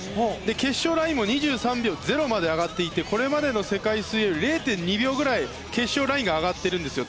決勝ラインも２３秒０まで上がっていてこれまでの世界水泳より０．２秒ぐらい決勝ラインが上がっているんですよ。